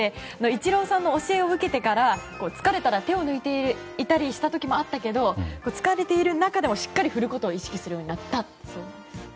イチローさんの教えを受けてから疲れたら手を抜いていたこともあったけれど疲れている中でもしっかり振ることを意識するようになったそうです。